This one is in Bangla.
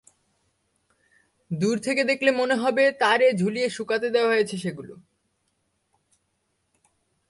দূর থেকে দেখলে মনে হবে তারে ঝুলিয়ে শুকাতে দেওয়া হয়েছে সেগুলো।